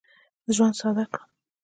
ژوند ساده کړه.